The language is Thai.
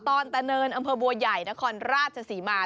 ตอนตะเนินอังคารบัวใหญ่นคนราชสีมา